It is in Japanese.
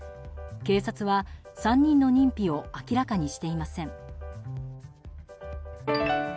警察は３人の認否を明らかにしていません。